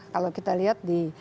kalau kita lihat di